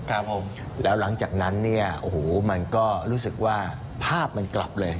ครับผมแล้วหลังจากนั้นเนี่ยโอ้โหมันก็รู้สึกว่าภาพมันกลับเลย